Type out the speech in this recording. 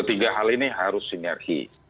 tiga hal ini harus sinergi